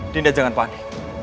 dinda jangan panik